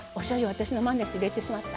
私のまねして入れてしまった？